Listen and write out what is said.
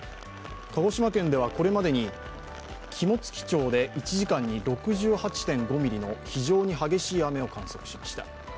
鹿児島県ではこれまでに肝付町で１時間に６８．５ミリの非常に激しい雨を観測しました。